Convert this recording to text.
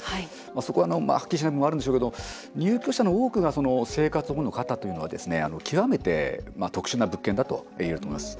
そこは、はっきりしない部分あるんでしょうけど入居者の多くが生活保護の方というのは極めて特殊な物件だといえると思います。